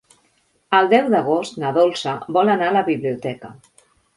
El deu d'agost na Dolça vol anar a la biblioteca.